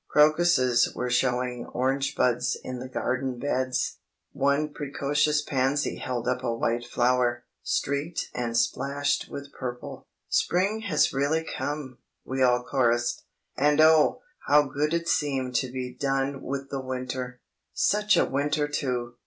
Crocuses were showing orange buds in the garden beds. One precocious pansy held up a white flower, streaked and splashed with purple. "Spring has really come," we all chorused. And oh, how good it seemed to be done with the winter; such a winter too!